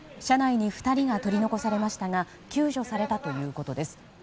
車内に２人が取り残されましたが救助されたということです。